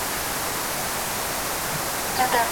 د منځګړي لپاره بل شرط کوم يو دی؟